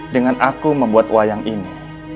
dengan aku membuat wayang ini